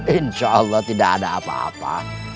insya allah tidak ada apa apa